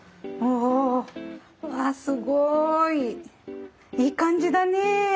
わあすごい！いい感じだねえ。